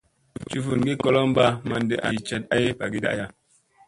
Cufungi kolomɓa manɗi an i caɗ ay bagiiɗa aya.